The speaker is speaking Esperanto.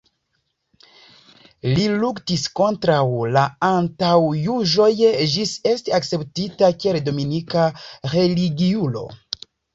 Li luktis kontraŭ la antaŭjuĝoj ĝis esti akceptita kiel dominika religiulo.